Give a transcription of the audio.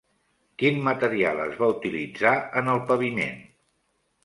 Quin material es va utilitzar en el paviment?